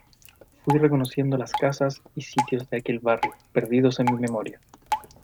Fuí reconociendo las casas y sitios de aquel barrio perdidos en mi memoria.